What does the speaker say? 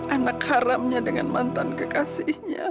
anak haramnya dengan mantan kekasihnya